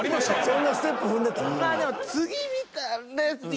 そんなステップ踏んでた？